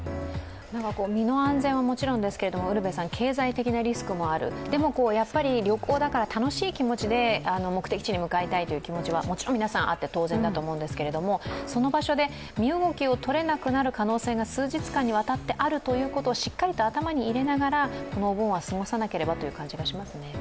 身の安全はもちろんですけど経済的なリスクもあるでも、旅行だから楽しい気持ちで目的地に向かいたいという気持ちはもちろん皆さんあって当然だと思いますけど、その場所で身動きがとれなくなる可能性が数日間にわたってあることをしっかり頭に入れながらこのお盆は過ごさなければと思いますね。